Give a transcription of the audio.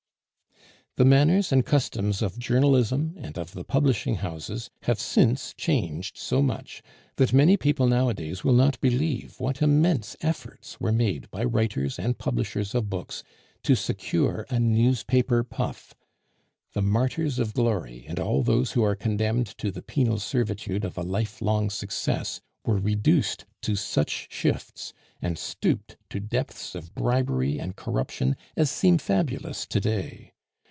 The manners and customs of journalism and of the publishing houses have since changed so much, that many people nowadays will not believe what immense efforts were made by writers and publishers of books to secure a newspaper puff; the martyrs of glory, and all those who are condemned to the penal servitude of a life long success, were reduced to such shifts, and stooped to depths of bribery and corruption as seem fabulous to day.